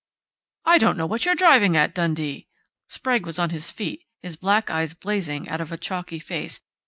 "I don't know what you're driving at, Dundee!" Sprague was on his feet, his black eyes blazing out of a chalky face.